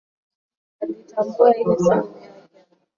Aliitambua ile simu ni yake